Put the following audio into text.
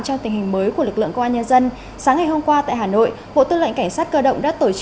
trong tình hình mới của lực lượng công an nhân dân sáng ngày hôm qua tại hà nội